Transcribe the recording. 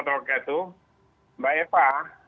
terima kasih mbak eva